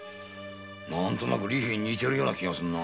何となく利平に似てるような気がするな。